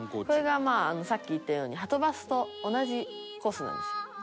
これが、まあさっき言ったようにはとバスと同じコースなんですよ。